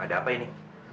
ada apa ini